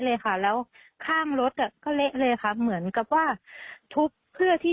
เลยค่ะแล้วข้างรถอ่ะก็เละเลยค่ะเหมือนกับว่าทุบเพื่อที่